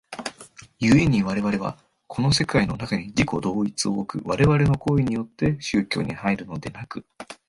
故に我々はこの世界の中に自己同一を置く我々の行為によって宗教に入るのでなく、